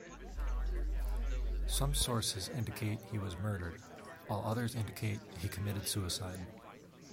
Some sources indicate he was murdered, while others indicate he committed suicide.